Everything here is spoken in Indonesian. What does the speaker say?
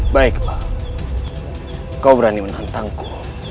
baik kau berani menantangku